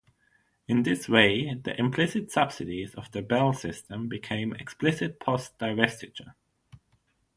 In this way, the implicit subsidies of the Bell System became explicit post-divestiture.